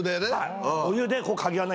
お湯でね。